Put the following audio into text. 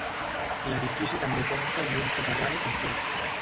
L'edifici també compta amb un soterrani complet.